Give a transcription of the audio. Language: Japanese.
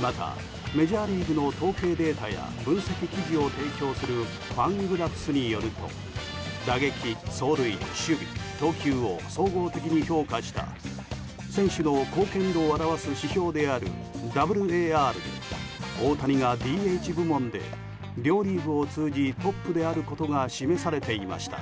また、メジャーリーグの統計データや分析記事を提供するファングラフスによると打撃、走塁、守備、投球を総合的に評価した選手の貢献度を表す指標であるＷＡＲで大谷がＤＨ部門で両リーグを通じトップであることが示されていました。